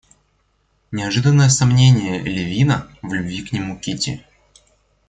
Неожиданное сомнение Левина в любви к нему Кити.